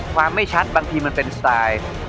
ไม่ชัดบางทีมันเป็นสไตล์